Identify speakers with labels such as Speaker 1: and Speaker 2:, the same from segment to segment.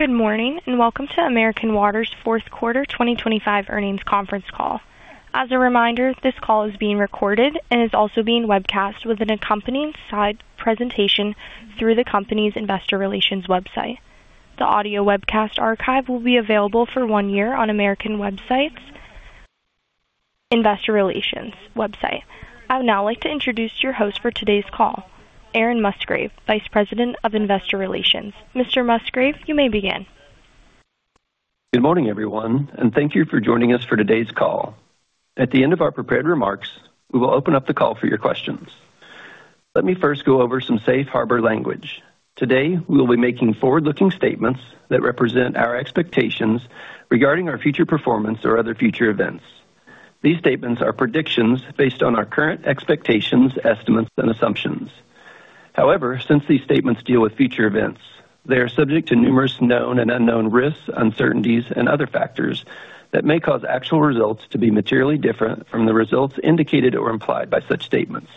Speaker 1: Good morning, and welcome to American Water's fourth quarter 2025 earnings conference call. As a reminder, this call is being recorded and is also being webcast with an accompanying slide presentation through the company's Investor Relations website. The audio webcast archive will be available for one year on American Water's Investor Relations website. I would now like to introduce your host for today's call, Aaron Musgrave, Vice President of Investor Relations. Mr. Musgrave, you may begin.
Speaker 2: Good morning, everyone, and thank you for joining us for today's call. At the end of our prepared remarks, we will open up the call for your questions. Let me first go over some safe harbor language. Today, we will be making forward-looking statements that represent our expectations regarding our future performance or other future events. These statements are predictions based on our current expectations, estimates, and assumptions. However, since these statements deal with future events, they are subject to numerous known and unknown risks, uncertainties, and other factors that may cause actual results to be materially different from the results indicated or implied by such statements.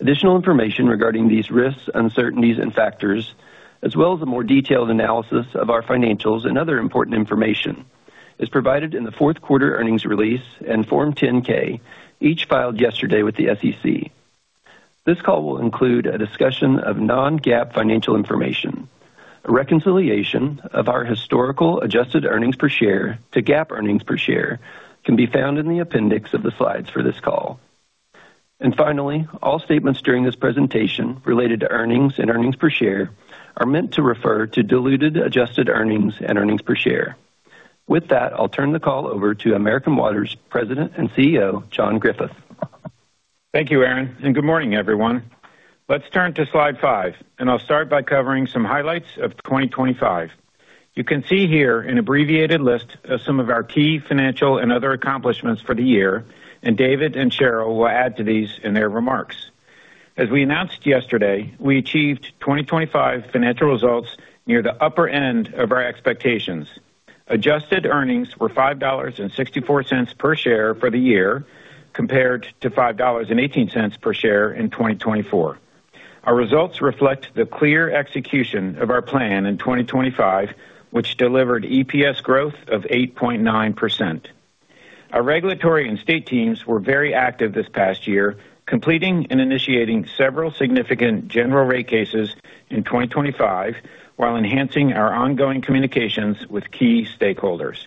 Speaker 2: Additional information regarding these risks, uncertainties and factors, as well as a more detailed analysis of our financials and other important information, is provided in the fourth quarter earnings release and Form 10-K, each filed yesterday with the SEC. This call will include a discussion of Non-GAAP financial information. A reconciliation of our historical adjusted earnings per share to GAAP earnings per share can be found in the appendix of the slides for this call. Finally, all statements during this presentation related to earnings and earnings per share are meant to refer to diluted, adjusted earnings and earnings per share. With that, I'll turn the call over to American Water's President and CEO, John Griffith.
Speaker 3: Thank you, Aaron, and good morning, everyone. Let's turn to Slide 5, and I'll start by covering some highlights of 2025. You can see here an abbreviated list of some of our key financial and other accomplishments for the year, and David and Cheryl will add to these in their remarks. As we announced yesterday, we achieved 2025 financial results near the upper end of our expectations. Adjusted earnings were $5.64 per share for the year, compared to $5.18 per share in 2024. Our results reflect the clear execution of our plan in 2025, which delivered EPS growth of 8.9%. Our regulatory and state teams were very active this past year, completing and initiating several significant general rate cases in 2025, while enhancing our ongoing communications with key stakeholders.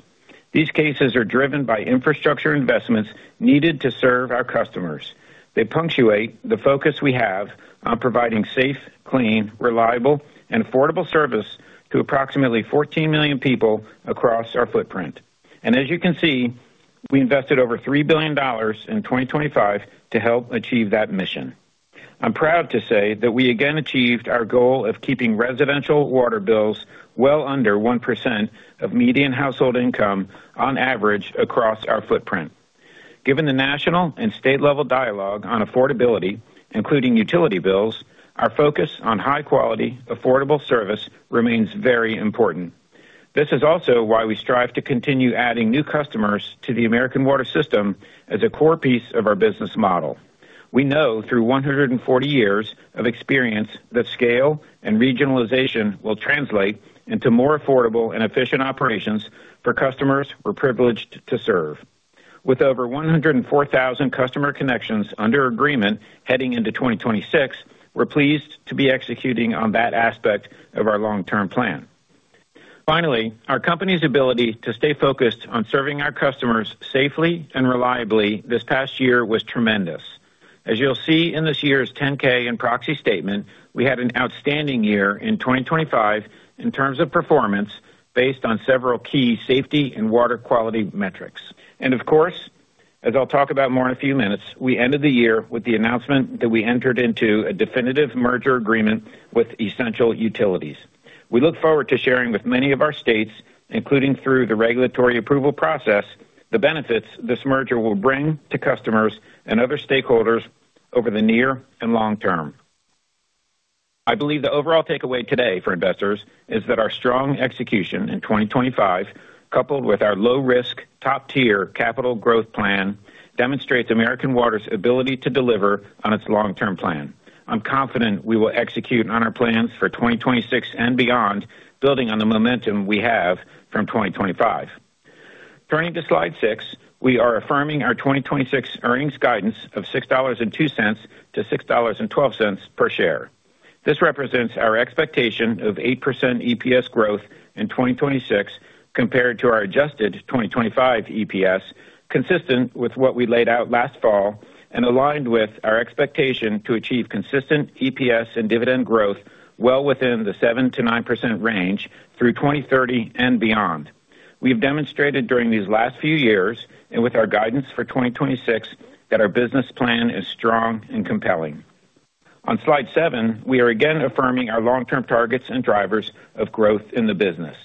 Speaker 3: These cases are driven by infrastructure investments needed to serve our customers. They punctuate the focus we have on providing safe, clean, reliable, and affordable service to approximately 14 million people across our footprint. And as you can see, we invested over $3 billion in 2025 to help achieve that mission. I'm proud to say that we again achieved our goal of keeping residential water bills well under 1% of median household income on average across our footprint. Given the national and state-level dialogue on affordability, including utility bills, our focus on high-quality, affordable service remains very important. This is also why we strive to continue adding new customers to the American Water system as a core piece of our business model. We know through 140 years of experience that scale and regionalization will translate into more affordable and efficient operations for customers we're privileged to serve. With over 104,000 customer connections under agreement heading into 2026, we're pleased to be executing on that aspect of our long-term plan. Finally, our company's ability to stay focused on serving our customers safely and reliably this past year was tremendous. As you'll see in this year's 10-K and proxy statement, we had an outstanding year in 2025 in terms of performance based on several key safety and water quality metrics. And of course, as I'll talk about more in a few minutes, we ended the year with the announcement that we entered into a definitive merger agreement with Essential Utilities. We look forward to sharing with many of our states, including through the regulatory approval process, the benefits this merger will bring to customers and other stakeholders over the near and long term. I believe the overall takeaway today for investors is that our strong execution in 2025, coupled with our low-risk, top-tier capital growth plan, demonstrates American Water's ability to deliver on its long-term plan. I'm confident we will execute on our plans for 2026 and beyond, building on the momentum we have from 2025. Turning to Slide 6, we are affirming our 2026 earnings guidance of $6.02-$6.12 per share. This represents our expectation of 8% EPS growth in 2026 compared to our adjusted 2025 EPS, consistent with what we laid out last fall and aligned with our expectation to achieve consistent EPS and dividend growth well within the 7%-9% range through 2030 and beyond. We've demonstrated during these last few years, and with our guidance for 2026, that our business plan is strong and compelling. On Slide 7, we are again affirming our long-term targets and drivers of growth in the business.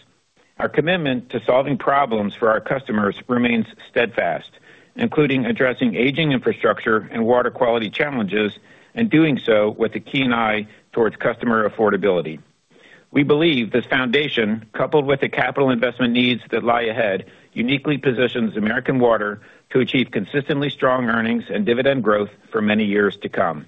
Speaker 3: Our commitment to solving problems for our customers remains steadfast, including addressing aging infrastructure and water quality challenges, and doing so with a keen eye towards customer affordability. We believe this foundation, coupled with the capital investment needs that lie ahead, uniquely positions American Water to achieve consistently strong earnings and dividend growth for many years to come....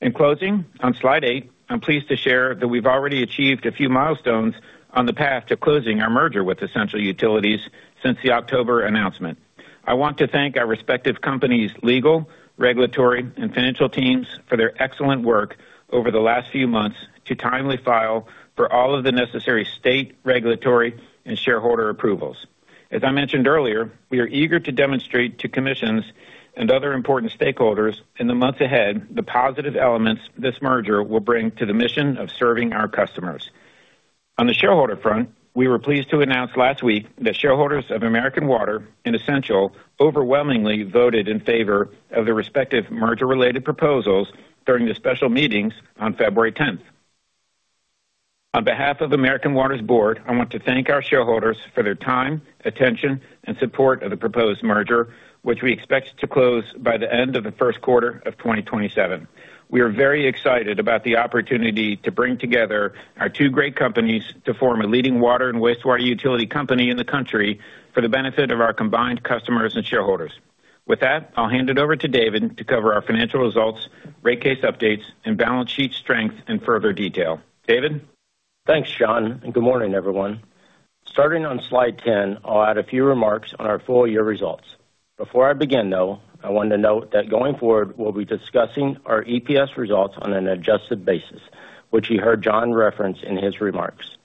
Speaker 3: In closing, on Slide 8, I'm pleased to share that we've already achieved a few milestones on the path to closing our merger with Essential Utilities since the October announcement. I want to thank our respective companies' legal, regulatory, and financial teams for their excellent work over the last few months to timely file for all of the necessary state, regulatory, and shareholder approvals. As I mentioned earlier, we are eager to demonstrate to commissions and other important stakeholders in the months ahead, the positive elements this merger will bring to the mission of serving our customers. On the shareholder front, we were pleased to announce last week that shareholders of American Water and Essential overwhelmingly voted in favor of the respective merger-related proposals during the special meetings on February tenth. On behalf of American Water's board, I want to thank our shareholders for their time, attention, and support of the proposed merger, which we expect to close by the end of the first quarter of 2027. We are very excited about the opportunity to bring together our two great companies to form a leading water and wastewater utility company in the country for the benefit of our combined customers and shareholders. With that, I'll hand it over to David to cover our financial results, rate case updates, and balance sheet strength in further detail. David?
Speaker 4: Thanks, John, and good morning, everyone. Starting on Slide 10, I'll add a few remarks on our full year results. Before I begin, though, I want to note that going forward, we'll be discussing our EPS results on an adjusted basis, which you heard John reference in his remarks.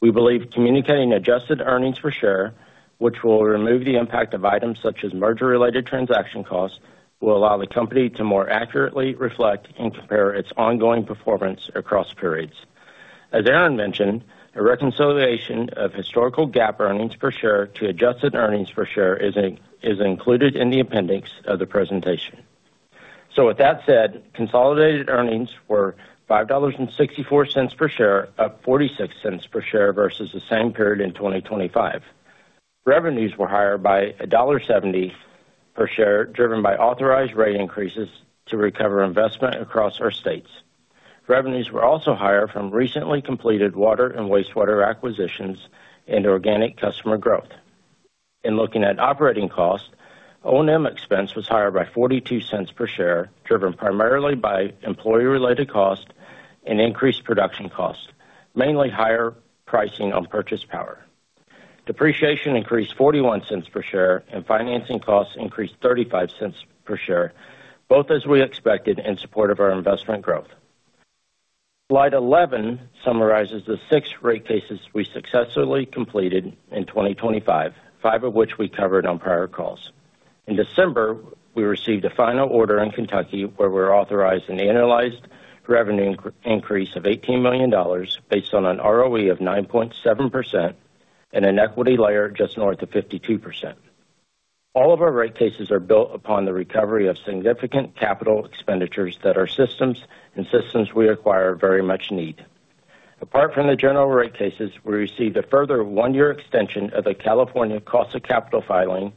Speaker 4: We believe communicating adjusted earnings per share, which will remove the impact of items such as merger-related transaction costs, will allow the company to more accurately reflect and compare its ongoing performance across periods. As Aaron mentioned, a reconciliation of historical GAAP earnings per share to adjusted earnings per share is included in the appendix of the presentation. So with that said, consolidated earnings were $5.64 per share, up 46 cents per share versus the same period in 2025. Revenues were higher by $1.70 per share, driven by authorized rate increases to recover investment across our states. Revenues were also higher from recently completed water and wastewater acquisitions and organic customer growth. In looking at operating costs, O&M expense was higher by $0.42 per share, driven primarily by employee-related costs and increased production costs, mainly higher pricing on purchased power. Depreciation increased $0.41 per share, and financing costs increased $0.35 per share, both as we expected, in support of our investment growth. Slide 11 summarizes the six rate cases we successfully completed in 2025, five of which we covered on prior calls. In December, we received a final order in Kentucky, where we're authorized an annualized revenue increase of $18 million, based on an ROE of 9.7% and an equity layer just north of 52%. All of our rate cases are built upon the recovery of significant capital expenditures that our systems and systems we acquire very much need. Apart from the general rate cases, we received a further one-year extension of the California cost of capital filing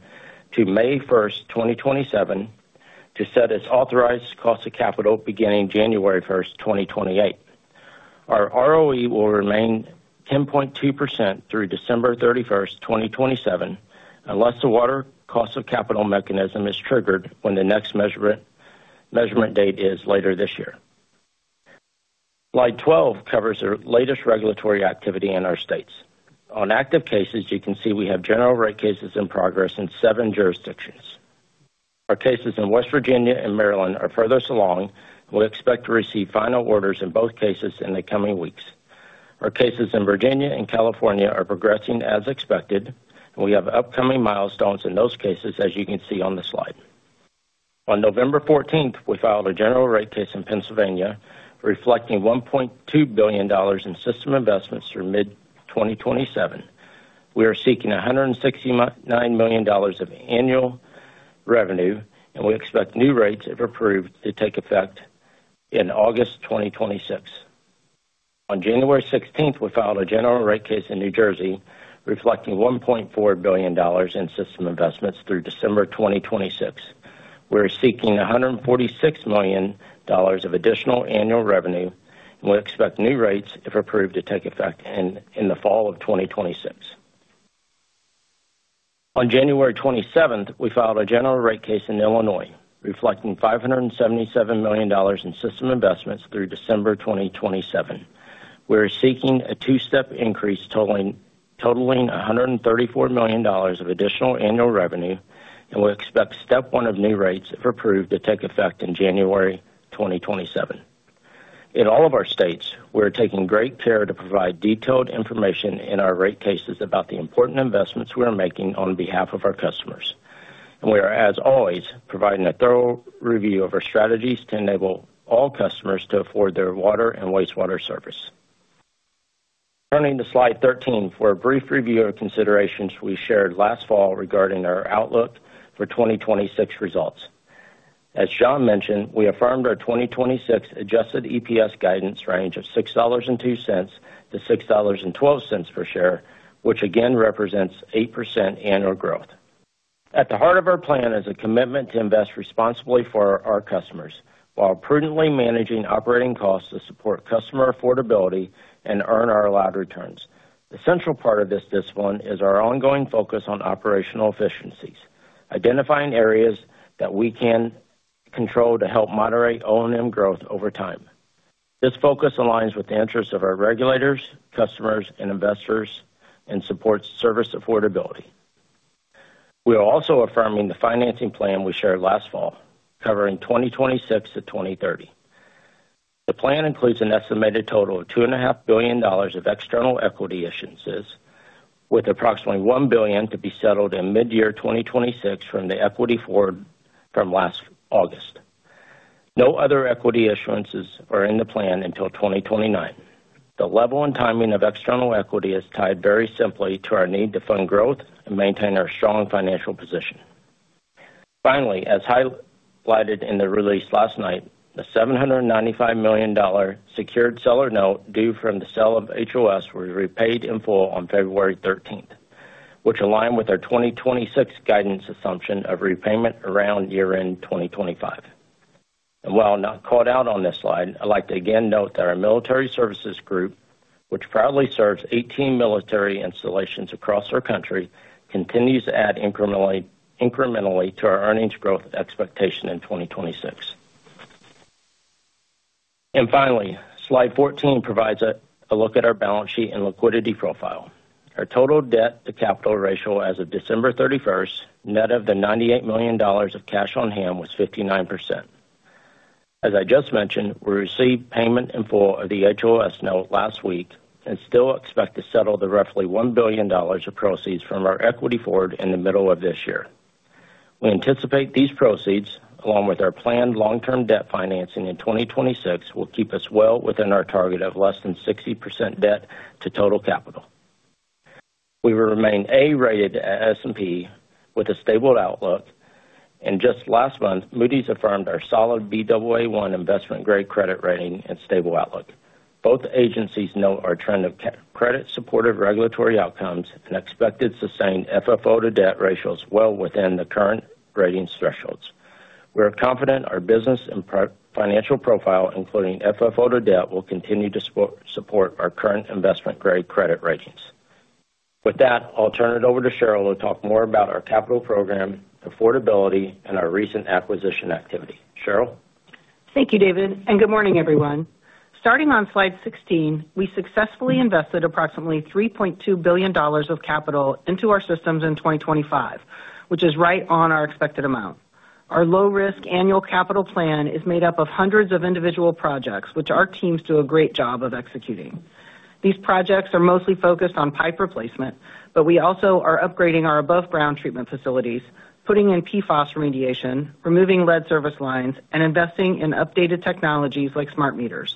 Speaker 4: to May 1, 2027, to set its authorized cost of capital beginning January 1, 2028. Our ROE will remain 10.2% through December 31, 2027, unless the water cost of capital mechanism is triggered when the next measurement date is later this year. Slide 12 covers our latest regulatory activity in our states. On active cases, you can see we have general rate cases in progress in 7 jurisdictions. Our cases in West Virginia and Maryland are furthest along, and we expect to receive final orders in both cases in the coming weeks. Our cases in Virginia and California are progressing as expected, and we have upcoming milestones in those cases, as you can see on the slide. On November 14th, we filed a general rate case in Pennsylvania, reflecting $1.2 billion in system investments through mid-2027. We are seeking $169 million of annual revenue, and we expect new rates, if approved, to take effect in August 2026. On January 16th, we filed a general rate case in New Jersey, reflecting $1.4 billion in system investments through December 2026. We are seeking $146 million of additional annual revenue, and we expect new rates, if approved, to take effect in the fall of 2026. On January 27th, we filed a general rate case in Illinois, reflecting $577 million in system investments through December 2027. We are seeking a two-step increase, totaling a hundred and thirty-four million dollars of additional annual revenue, and we expect step one of new rates, if approved, to take effect in January 2027. In all of our states, we're taking great care to provide detailed information in our rate cases about the important investments we are making on behalf of our customers. We are, as always, providing a thorough review of our strategies to enable all customers to afford their water and wastewater service. Turning to Slide 13 for a brief review of considerations we shared last fall regarding our outlook for 2026 results. As John mentioned, we affirmed our 2026 adjusted EPS guidance range of $6.02-$6.12 per share, which again represents 8% annual growth. At the heart of our plan is a commitment to invest responsibly for our customers, while prudently managing operating costs to support customer affordability and earn our allowed returns. The central part of this discipline is our ongoing focus on operational efficiencies... identifying areas that we can control to help moderate O&M growth over time. This focus aligns with the interests of our regulators, customers, and investors, and supports service affordability. We are also affirming the financing plan we shared last fall, covering 2026 to 2030. The plan includes an estimated total of $2.5 billion of external equity issuances, with approximately $1 billion to be settled in mid-year 2026 from the equity forward from last August. No other equity issuances are in the plan until 2029. The level and timing of external equity is tied very simply to our need to fund growth and maintain our strong financial position. Finally, as highlighted in the release last night, the $795 million secured seller note due from the sale of HOS was repaid in full on February 13th, which align with our 2026 guidance assumption of repayment around year-end 2025. And while not called out on this slide, I'd like to again note that our Military Services Group, which proudly serves 18 military installations across our country, continues to add incrementally to our earnings growth expectation in 2026. And finally, Slide 14 provides a look at our balance sheet and liquidity profile. Our total debt to capital ratio as of December 31st, net of the $98 million of cash on hand, was 59%. As I just mentioned, we received payment in full of the HOS note last week and still expect to settle the roughly $1 billion of proceeds from our equity forward in the middle of this year. We anticipate these proceeds, along with our planned long-term debt financing in 2026, will keep us well within our target of less than 60% debt to total capital. We will remain A-rated at S&P with a stable outlook, and just last month, Moody's affirmed our solid Baa1 investment-grade credit rating and stable outlook. Both agencies note our trend of credit-supported regulatory outcomes and expected sustained FFO to debt ratios well within the current grading thresholds. We are confident our business and financial profile, including FFO to debt, will continue to support our current investment-grade credit ratings. With that, I'll turn it over to Cheryl to talk more about our capital program, affordability, and our recent acquisition activity. Cheryl?
Speaker 5: Thank you, David, and good morning, everyone. Starting on Slide 16, we successfully invested approximately $3.2 billion of capital into our systems in 2025, which is right on our expected amount. Our low-risk annual capital plan is made up of hundreds of individual projects, which our teams do a great job of executing. These projects are mostly focused on pipe replacement, but we also are upgrading our above-ground treatment facilities, putting in PFAS remediation, removing lead service lines, and investing in updated technologies like smart meters.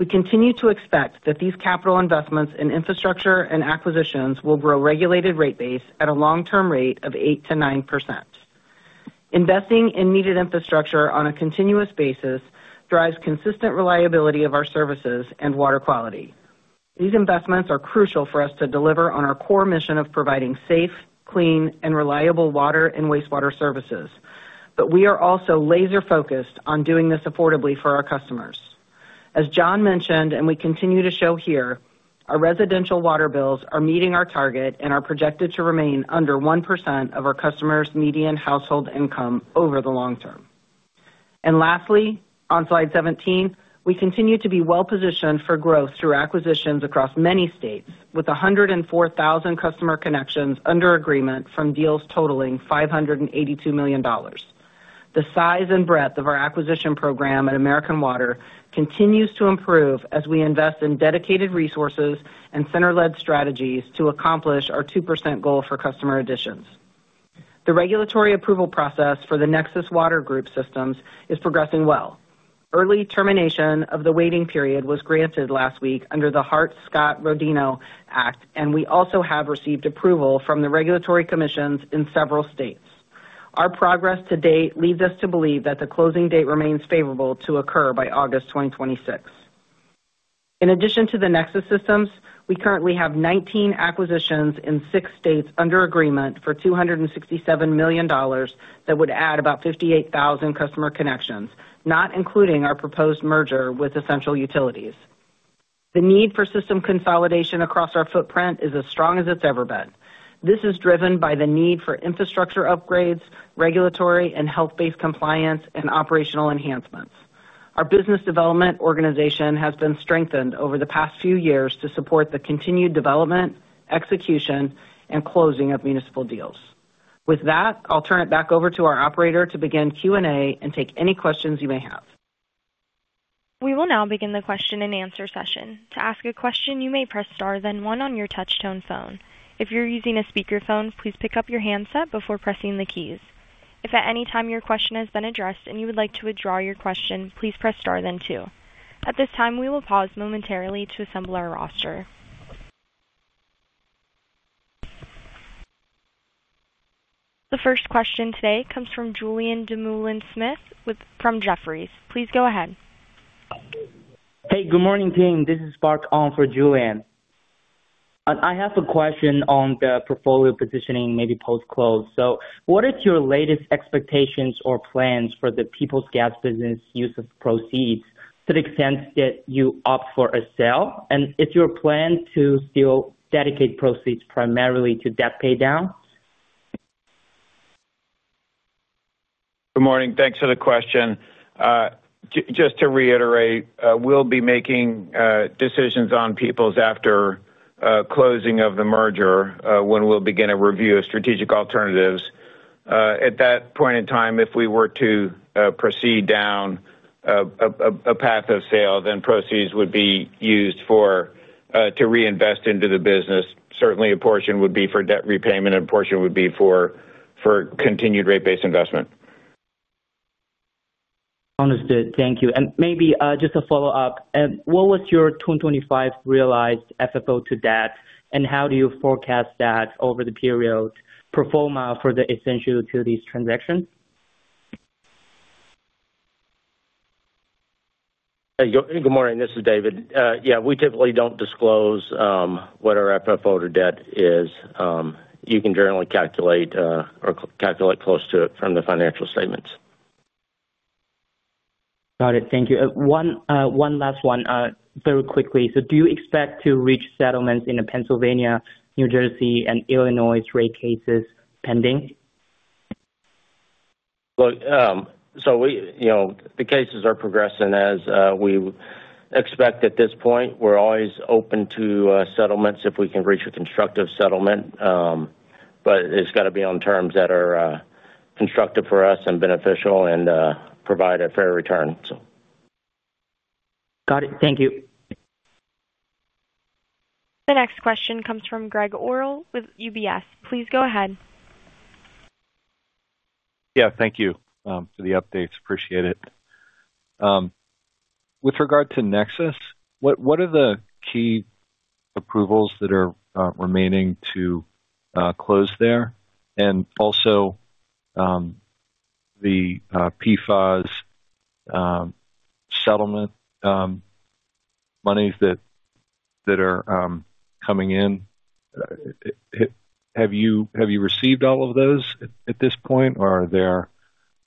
Speaker 5: We continue to expect that these capital investments in infrastructure and acquisitions will grow regulated rate base at a long-term rate of 8%-9%. Investing in needed infrastructure on a continuous basis drives consistent reliability of our services and water quality. These investments are crucial for us to deliver on our core mission of providing safe, clean, and reliable water and wastewater services. But we are also laser-focused on doing this affordably for our customers. As John mentioned, and we continue to show here, our residential water bills are meeting our target and are projected to remain under 1% of our customers' median household income over the long term. And lastly, on Slide 17, we continue to be well positioned for growth through acquisitions across many states, with 104,000 customer connections under agreement from deals totaling $582 million. The size and breadth of our acquisition program at American Water continues to improve as we invest in dedicated resources and center-led strategies to accomplish our 2% goal for customer additions. The regulatory approval process for the Nexus Water Group systems is progressing well. Early termination of the waiting period was granted last week under the Hart-Scott-Rodino Act, and we also have received approval from the regulatory commissions in several states. Our progress to date leads us to believe that the closing date remains favorable to occur by August 2026. In addition to the Nexus systems, we currently have 19 acquisitions in 6 states under agreement for $267 million that would add about 58,000 customer connections, not including our proposed merger with Essential Utilities. The need for system consolidation across our footprint is as strong as it's ever been. This is driven by the need for infrastructure upgrades, regulatory and health-based compliance, and operational enhancements. Our business development organization has been strengthened over the past few years to support the continued development, execution, and closing of municipal deals. With that, I'll turn it back over to our operator to begin Q&A and take any questions you may have.
Speaker 1: We will now begin the question-and-answer session. To ask a question, you may press star, then one on your touchtone phone. If you're using a speakerphone, please pick up your handset before pressing the keys. If at any time your question has been addressed and you would like to withdraw your question, please press star then two. At this time, we will pause momentarily to assemble our roster. The first question today comes from Julien Dumoulin-Smith from Jefferies. Please go ahead.
Speaker 6: Hey, good morning, team. This is Park Ong for Julian. I have a question on the portfolio positioning, maybe post-close. So what is your latest expectations or plans for the Peoples Gas business use of proceeds to the extent that you opt for a sale? And is your plan to still dedicate proceeds primarily to debt paydown?...
Speaker 3: Good morning. Thanks for the question. Just to reiterate, we'll be making decisions on People's after closing of the merger, when we'll begin a review of strategic alternatives. At that point in time, if we were to proceed down a path of sale, then proceeds would be used to reinvest into the business. Certainly, a portion would be for debt repayment and a portion would be for continued rate-based investment.
Speaker 6: Understood. Thank you. And maybe, just a follow-up, and what was your 2025 realized FFO to debt, and how do you forecast that over the period pro forma for the Essential Utilities transaction?
Speaker 4: Hey, good morning. This is David. Yeah, we typically don't disclose what our FFO to debt is. You can generally calculate or calculate close to it from the financial statements.
Speaker 6: Got it. Thank you. One last one, very quickly. So do you expect to reach settlements in the Pennsylvania, New Jersey, and Illinois rate cases pending?
Speaker 4: Look, so we, you know, the cases are progressing as we expect at this point. We're always open to settlements if we can reach a constructive settlement, but it's got to be on terms that are constructive for us and beneficial and provide a fair return, so.
Speaker 6: Got it. Thank you.
Speaker 1: The next question comes from Gregg Orrill with UBS. Please go ahead.
Speaker 7: Yeah, thank you for the updates. Appreciate it. With regard to Nexus, what are the key approvals that are remaining to close there? And also, the PFAS settlement monies that are coming in, have you received all of those at this point, or are there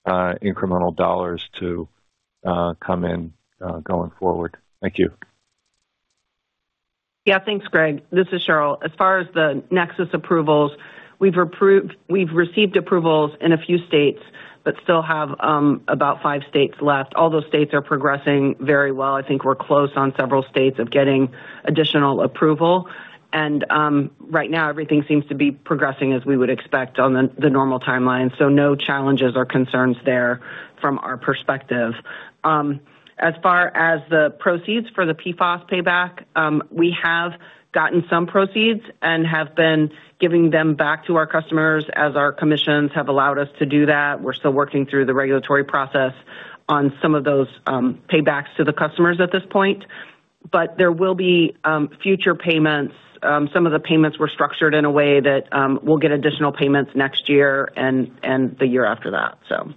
Speaker 7: incremental dollars to come in going forward? Thank you.
Speaker 5: Yeah, thanks, Greg. This is Cheryl. As far as the Nexus approvals, we've received approvals in a few states, but still have about five states left. All those states are progressing very well. I think we're close on several states of getting additional approval. And right now, everything seems to be progressing as we would expect on the normal timeline, so no challenges or concerns there from our perspective. As far as the proceeds for the PFAS payback, we have gotten some proceeds and have been giving them back to our customers as our commissions have allowed us to do that. We're still working through the regulatory process on some of those paybacks to the customers at this point, but there will be future payments. Some of the payments were structured in a way that we'll get additional payments next year and the year after that, so.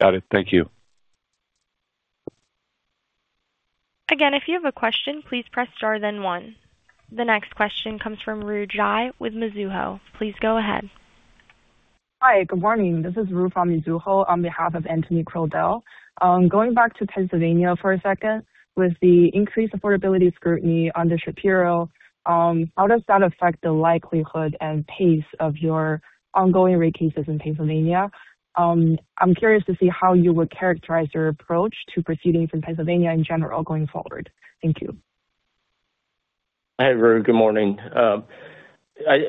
Speaker 7: Got it. Thank you.
Speaker 1: Again, if you have a question, please press Star, then one. The next question comes from Rui Zhai with Mizuho. Please go ahead.
Speaker 8: Hi, good morning. This is Ru from Mizuho on behalf of Anthony Crowdell. Going back to Pennsylvania for a second, with the increased affordability scrutiny under Shapiro, how does that affect the likelihood and pace of your ongoing rate cases in Pennsylvania? I'm curious to see how you would characterize your approach to proceedings in Pennsylvania in general going forward. Thank you.
Speaker 4: Hi, Ru. Good morning.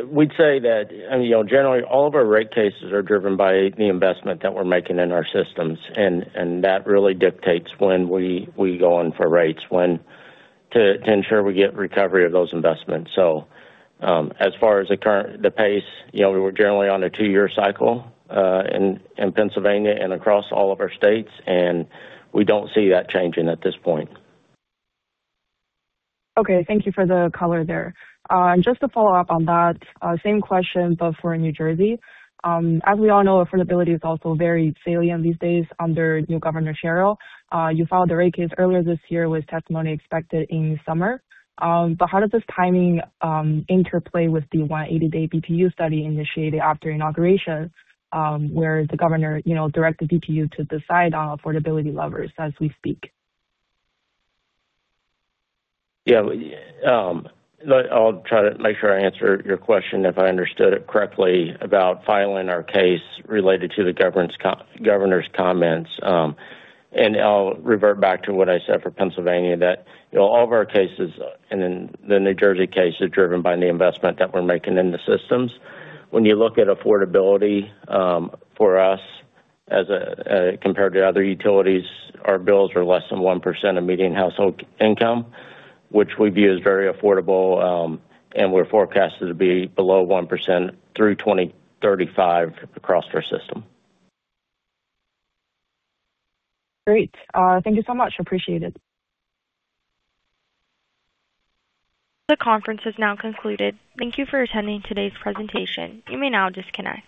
Speaker 4: We'd say that, and, you know, generally all of our rate cases are driven by the investment that we're making in our systems, and that really dictates when we go in for rates, to ensure we get recovery of those investments. So, as far as the current pace, you know, we're generally on a two-year cycle in Pennsylvania and across all of our states, and we don't see that changing at this point.
Speaker 8: Okay, thank you for the color there. Just to follow up on that, same question, but for New Jersey. As we all know, affordability is also very salient these days under new Governor Sherrill. You filed a rate case earlier this year with testimony expected in summer. How does this timing interplay with the 180-day BPU study initiated after inauguration, where the governor, you know, directed BPU to decide on affordability levers as we speak?
Speaker 4: Yeah, I'll try to make sure I answer your question if I understood it correctly, about filing our case related to the governor's comments. And I'll revert back to what I said for Pennsylvania, that, you know, all of our cases and then the New Jersey case is driven by the investment that we're making in the systems. When you look at affordability, for us as compared to other utilities, our bills are less than 1% of median household income, which we view as very affordable, and we're forecasted to be below 1% through 2035 across our system.
Speaker 8: Great. Thank you so much. Appreciate it.
Speaker 1: The conference is now concluded. Thank you for attending today's presentation. You may now disconnect.